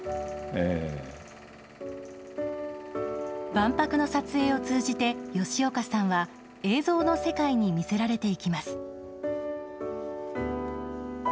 万博の撮影を通じて吉岡さんは映像の世界にみせられていきます。